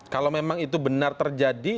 kalau memang itu benar terjadi